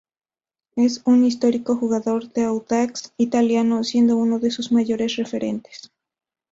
Es un histórico jugador de Audax Italiano, siendo uno de sus mayores referentes.